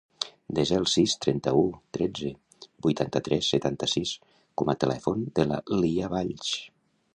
Desa el sis, trenta-u, tretze, vuitanta-tres, setanta-sis com a telèfon de la Lya Valls.